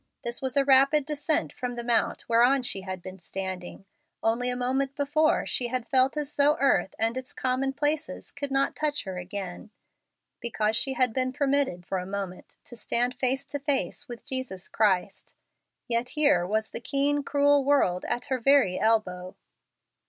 This was a rapid descent from the mount whereon she had been standing : only a moment before, she had felt as though earth and its com¬ monplaces could not touch her again; be¬ cause she had been permitted for a moment to stand face to face with Jesus Christ. Yet here was the keen, cruel world at her very elbow